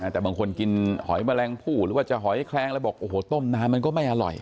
แต่บางคนกินหอยแมลงผู้หรือว่าจะหอยแคลงอะไรบอกโอ้โหต้มน้ำมันก็ไม่อร่อย